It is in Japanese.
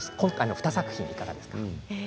２作品いかがですか。